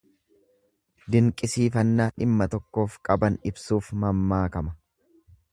Dinqisiifannaa dhimma tokkoof qaban ibsuuf mammaakama.